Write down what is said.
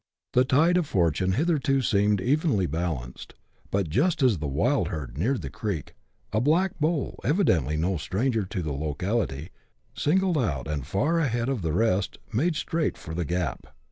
The tide of fortune hitherto seemed evenly balanced ; but just as the wild herd neared the creek, a black bull, evidently no stranger to the locality, singled out, and, far ahead of the rest, made straight for the gap.